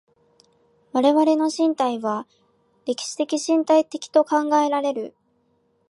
我々の身体は歴史的身体的と考えられる。